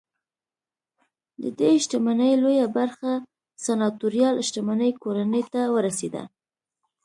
ددې شتمنۍ لویه برخه سناتوریال شتمنۍ کورنۍ ته ورسېده